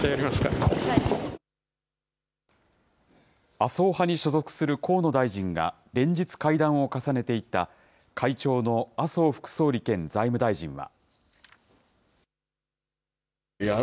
麻生派に所属する河野大臣が、連日会談を重ねていた会長の麻生副総理兼財務大臣は。